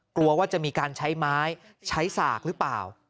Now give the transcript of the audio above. กลัวว่าจะมีการใช้ไม้ใช้สากหรือเปล่า